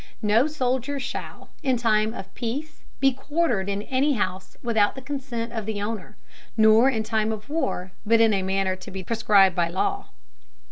No Soldier shall, in time of peace be quartered in any house, without the consent of the Owner, nor in time of war, but in a manner to be prescribed by law.